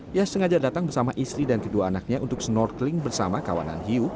dia sengaja datang bersama istri dan kedua anaknya untuk snorkeling bersama kawanan hiu